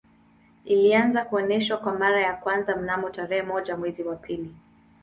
Ilianza kuonesha kwa mara ya kwanza mnamo tarehe moja mwezi wa pili